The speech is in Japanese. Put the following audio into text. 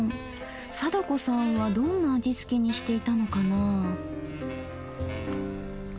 貞子さんはどんな味付けにしていたのかな？